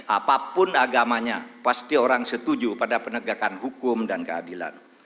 apapun agamanya pasti orang setuju pada penegakan hukum dan keadilan